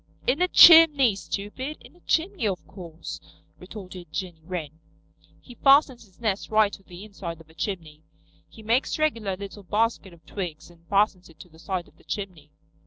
"In a chimney, stupid. In a chimney, of course," retorted Jenny Wren. "He fastens his nest right to the inside of a chimney. He makes a regular little basket of twigs and fastens it to the side of the chimney."